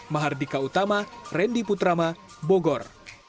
mahardika utama randy putrama bogor